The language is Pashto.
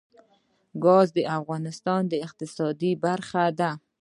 ګاز د افغانستان د اقتصاد برخه ده.